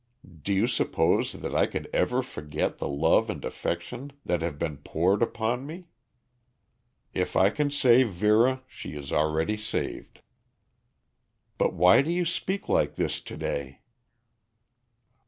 Do you suppose that I could ever forget the love and affection that have been poured upon me? If I can save Vera she is already saved. But why do you speak like this to day?"